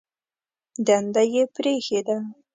دنده یې پرېښې ده.